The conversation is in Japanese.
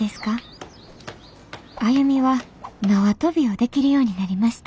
歩は縄跳びをできるようになりました。